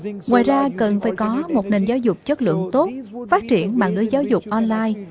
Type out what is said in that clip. ngoài ra cần phải có một nền giáo dục chất lượng tốt phát triển mạng lưới giáo dục online